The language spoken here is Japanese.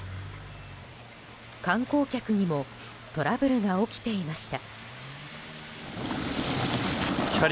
観光客にもトラブルが起きていました。